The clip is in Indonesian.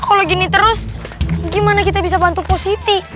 kalau gini terus gimana kita bisa bantu po siti